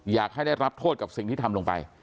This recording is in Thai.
อยากให้ได้รับโทษกับสิ่งที่ทำลงไป